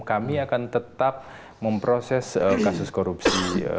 kami akan tetap memproses kasus korupsi